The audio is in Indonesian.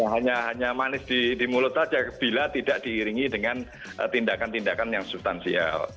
hanya hanya manis di mulut saja bila tidak diiringi dengan tindakan tindakan yang substansial